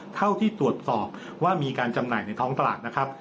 เท่าที่ตรวจสอบว่ามีการจำหน่ายในท้องตลาดนะครับ